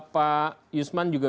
pak yusman juga